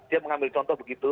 dia mengambil contoh begitu